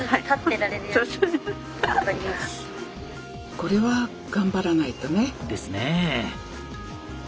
これは頑張らないとね。ですね。